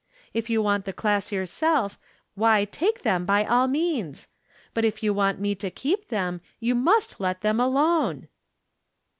If you want the class yourself, why take them by all means. But if you want me to keep them you must let them alone."